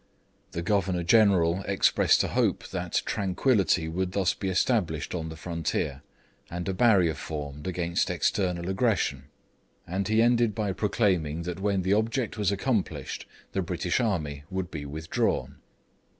The Governor General expressed a hope that tranquillity would thus be established on the frontier, and a barrier formed against external aggression; and he ended by pro claiming that when the object was accomplished the British army would be withdrawn.